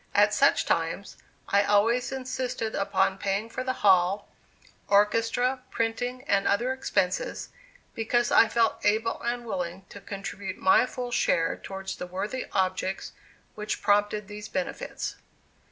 At such times, I always insisted upon paying for the hall, orchestra, printing, and other expenses, because I felt able and willing to contribute my full share towards the worthy objects which prompted these benefits.